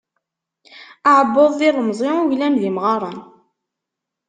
Aɛebbuḍ d ilemẓi, uglan d imɣaṛen.